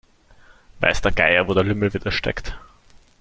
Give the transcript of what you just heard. Weiß der Geier, wo der Lümmel wieder steckt.